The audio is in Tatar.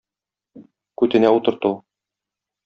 Күтенә утырту.